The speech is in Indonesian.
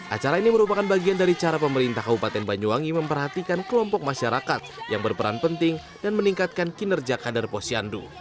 acara ini merupakan bagian dari cara pemerintah kabupaten banyuwangi memperhatikan kelompok masyarakat yang berperan penting dan meningkatkan kinerja kader posyandu